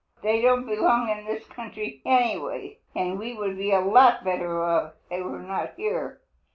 They don't belong over in this country, anyway, and we would be a lot better off if they were not here.